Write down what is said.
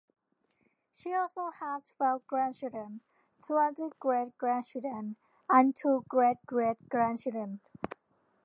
She also had twelve grandchildren, twenty great-grandchildren and two great-great-grandchildren.